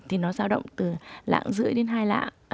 thì nó giao động từ lãng rưỡi đến hai lạng